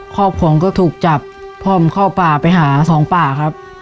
ครอบครัวก็ถูกจับพ่อผมเข้าป่าไปหาสองป่าครับ